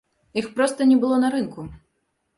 Іх проста не было на рынку!